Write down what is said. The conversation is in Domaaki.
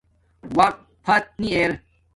وقت فت نی ارہ